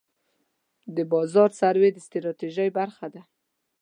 د بازار سروې د ستراتیژۍ برخه ده.